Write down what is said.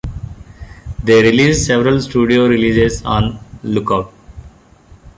They released several studio releases on Lookout!